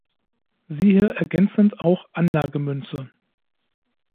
Siehe ergänzend auch Anlagemünze.